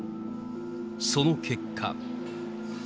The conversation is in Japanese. その結果。